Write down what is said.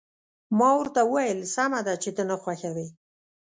ما ورته وویل: سمه ده، چې ته نه خوښوې.